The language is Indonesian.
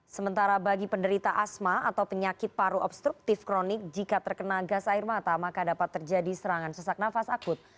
sementara bagi penderita asma atau penyakit paru obstruktif kronik jika terkena gas air mata maka dapat terjadi serangan sesak nafas akut